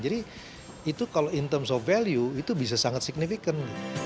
jadi itu kalau in terms of value itu bisa sangat signifikan